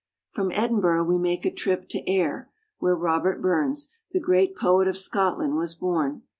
From Edinburgh we make a trip to Ayr, where Robert Burns, the great poet of Scotland, was born.